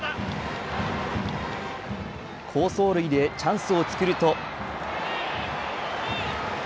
好走塁でチャンスを作ると。